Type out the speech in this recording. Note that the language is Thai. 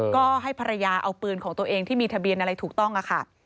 ก็ให้ภรรยาเอาปืนของตัวเองที่มีทะเบียนอะไรถูกต้องค่ะ